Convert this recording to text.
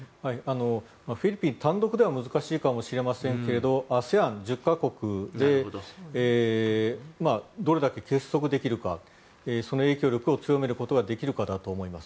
フィリピン単独では難しいかもしれませんけれどＡＳＥＡＮ１０か国でどれだけ結束できるかその影響力を強めることができるかだと思います。